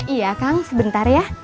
iya kang sebentar ya